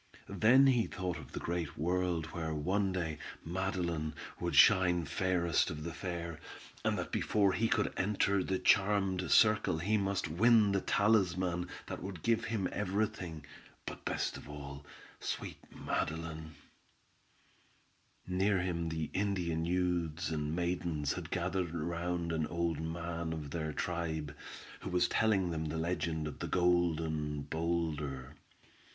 Then he thought of the great world where one day Madeline would shine fairest of the fair, and that before he could enter the charmed circle he must win the talisman that would give him every thing, but best of all, sweet Madeline. Near him the Indian youths and maidens had gathered round an old man of their tribe, who was telling them the legend of the "Golden Boulder."